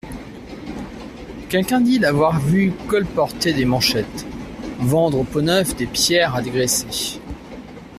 Quelqu'un dit l'avoir vu colporter des manchettes, vendre au Pont-Neuf des pierres à dégraisser.